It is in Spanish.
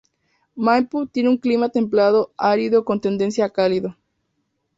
Maipú tiene un clima templado árido con tendencia a cálido.